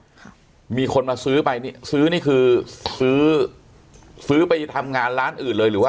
ค่ะมีคนมาซื้อไปนี่ซื้อนี่คือซื้อซื้อไปทำงานร้านอื่นเลยหรือว่า